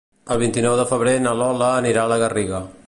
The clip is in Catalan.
El vint-i-nou de febrer na Lola anirà a la Garriga.